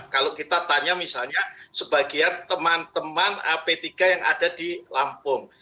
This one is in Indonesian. kalau kita tanya misalnya sebagian teman teman p tiga yang ada di lampung